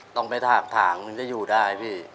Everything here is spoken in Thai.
ต้องไปถากถางมันจะอยู่ได้พี่